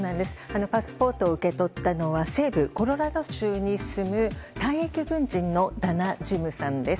パスポートを受け取ったのは西部コロラド州に住む退役軍人のダナ・ジムさんです。